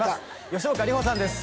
吉岡里帆さんです